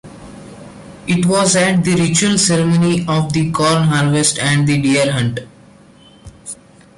It was at the ritual ceremony of the "Corn Harvest" and "Deer Hunt".